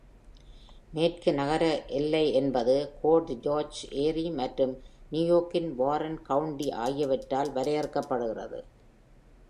மேற்கு நகரக் எல்லை என்பது கோடு ஜார்ஜ் ஏரி மற்றும் நியூயார்க்கின் வாரன் கவுண்டி ஆகியவற்றால் வரையறுக்கப்படுகிறது.